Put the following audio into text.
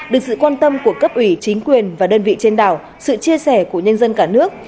được sự quan tâm của cấp ủy chính quyền và đơn vị trên đảo sự chia sẻ của nhân dân cả nước